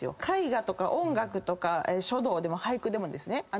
絵画とか音楽とか書道でも俳句でもですね